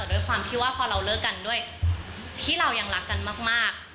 ด้วยความที่ว่าพอเราเลิกกันด้วยที่เรายังรักกันมาก